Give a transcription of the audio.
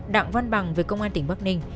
đặng văn bằng về công an tỉnh bắc ninh